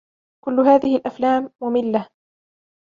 كل هذه الافلام مملة